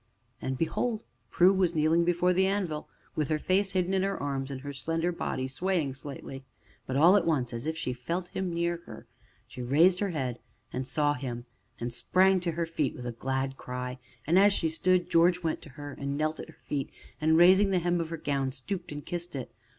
And behold! Prue was kneeling before the anvil with her face hidden in her arms, and her slender body swaying slightly. But all at once, as if she felt him near her, she raised her head and saw him, and sprang to her feet with a glad cry. And, as she stood, George went to her, and knelt at her feet, and raising the hem of her gown, stooped and kissed it.